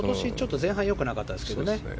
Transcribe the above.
前半は良くなかったですけどね。